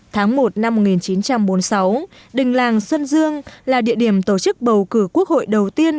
tháng một năm một nghìn chín trăm bốn mươi sáu đình làng xuân dương là địa điểm tổ chức bầu cử quốc hội đầu tiên